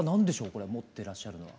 これ持ってらっしゃるのは。